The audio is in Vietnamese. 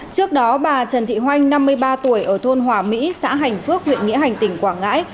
trước đó bà trần thị hoanh năm mươi ba tuổi ở thôn hòa mỹ xã hành phước huyện nghĩa hành tỉnh quảng ngãi